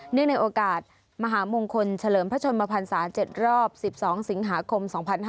ในโอกาสมหามงคลเฉลิมพระชนมพันศา๗รอบ๑๒สิงหาคม๒๕๕๙